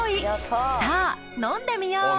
さあ飲んでみよう。